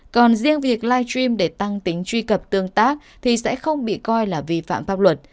còn riêng việc live stream để tăng tính truy cập tương tác thì sẽ không bị coi là vi phạm pháp luật